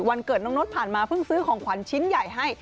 วันเกิดน้องนุษย์ผ่านมาเพิ่งซื้อของขวัญชิ้นใหญ่ให้